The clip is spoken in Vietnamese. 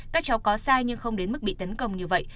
các cháu có sai nhưng không đến mức bị tấn công như vậy